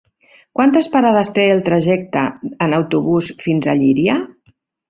Quantes parades té el trajecte en autobús fins a Llíria?